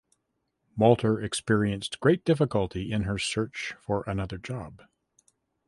Walter experienced great difficulty in her search for another job.